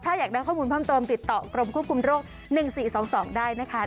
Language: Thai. ถ้าอยากได้ข้อมูลเพิ่มเติมติดต่อกรมควบคุมโรค๑๔๒๒ได้นะคะ